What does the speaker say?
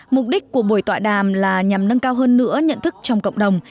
mục đích của buổi tọa đàm là nhằm nâng cao hơn nữa nhận thức trong cộng đồng